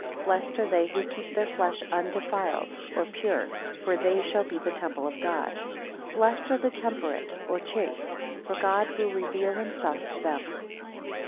13 Blessed are they who keep their flesh undefiled (or pure); for they shall be the temple of God. 14 Blessed are the temperate (or chaste); for God will reveal himself to them.